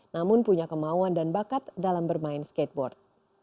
namun punya kemauan dan bakat dalam bermain skateboard